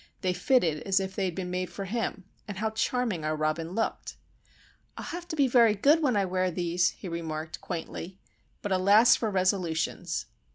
They fitted as if they had been made for him, and how charming our Robin looked! "I'll have to be very good when I wear these," he remarked, quaintly:—but, alas, for resolutions!